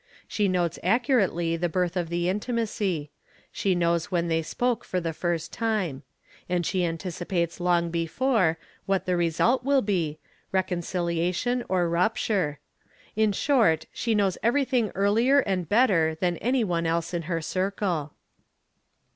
She notes accurately the birth of the intimacy; she knows when they spoke for the first time. And she anticipates long before what the result will be, reconciliation or 'Tupture ; in short she knows everything earlier and better than any one else in her circle.